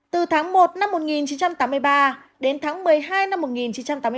từ tháng một năm một nghìn chín trăm tám mươi ba đến tháng một mươi hai năm một nghìn chín trăm tám mươi ba